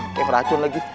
kayak ngeracun lagi